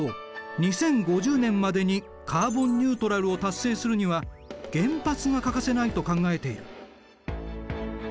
２０５０年までにカーボンニュートラルを達成するには原発が欠かせないと考えている。